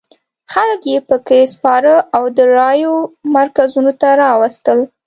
خلک یې په کې سپاره او د رایو مرکزونو ته راوستل.